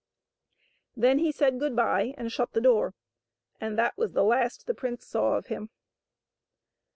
'* Then he said good bye and shut the door, and that was the last the prince saw of him.